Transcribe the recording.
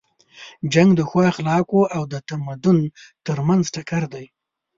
جنګ د ښو اخلاقو او د تمدن تر منځ ټکر دی.